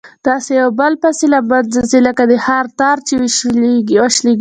داسي يو په بل پسي له منځه ځي لكه د هار تار چي وشلېږي